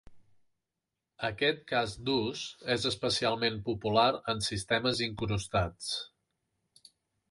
Aquest cas d'ús és especialment popular en sistemes incrustats.